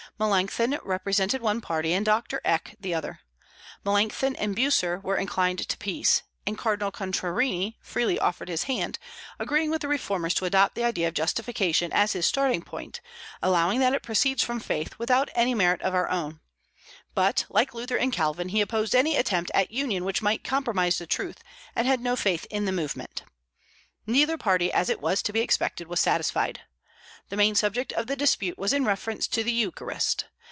Melancthon represented one party, and Doctor Eck the other. Melancthon and Bucer were inclined to peace; and Cardinal Contarini freely offered his hand, agreeing with the reformers to adopt the idea of Justification as his starting point, allowing that it proceeds from faith, without any merit of our own; but, like Luther and Calvin, he opposed any attempt at union which might compromise the truth, and had no faith in the movement. Neither party, as it was to be expected, was satisfied. The main subject of the dispute was in reference to the Eucharist.